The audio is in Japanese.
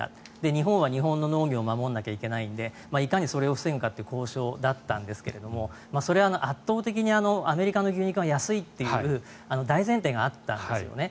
日本は日本の農業を守らないといけないのでいかにそれを防ぐかという交渉だったんですがそれは圧倒的にアメリカの牛肉が安いという大前提があったんですよね。